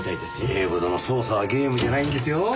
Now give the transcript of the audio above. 警部殿捜査はゲームじゃないんですよ。